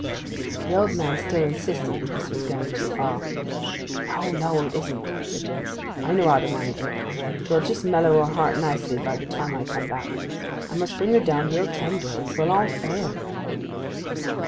The old man still insisted that this was going too far. 'No, no, it isn't,' said Jim. 'I know how to manage her. 'Twill just mellow her heart nicely by the time I come back. I must bring her down real tender, or 'twill all fail.